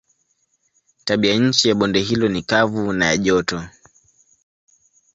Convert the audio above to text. Tabianchi ya bonde hilo ni kavu na ya joto.